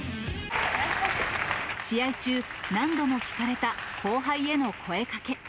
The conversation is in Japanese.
試合中、何度も聞かれた後輩への声かけ。